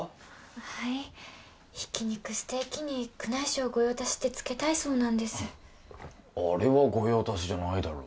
はいひき肉ステェキに宮内省御用達ってつけたいそうであれは御用達じゃないだろう